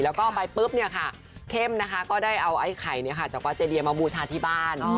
แล้วก็ไปปุ๊บเนี่ยค่ะเข้มนะคะก็ได้เอาไอ้ไข่จากวัดเจดีมาบูชาที่บ้าน